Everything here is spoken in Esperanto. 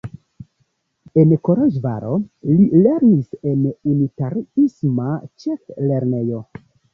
En Koloĵvaro li lernis en unitariisma ĉeflernejo.